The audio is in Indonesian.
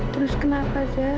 terus kenapa jac